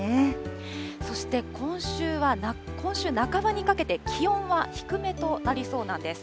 そして今週半ばにかけて気温は低めとなりそうなんです。